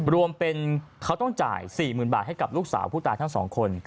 รวมเป็นเขาต้องจ่าย๔๐๐๐บาทให้กับลูกสาวผู้ตายทั้ง๒คน